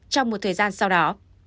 trong một thời gian sau đó